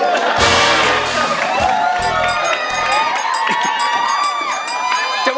เมื่อสักครู่นี้ถูกต้องทั้งหมด